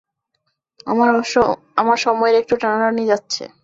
আমার সময়ের একটু টানাটানি যাচ্ছে।